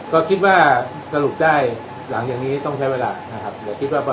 ก็คิดว่าสรุปได้หลังจากนี้ต้องใช้เวลานะครับ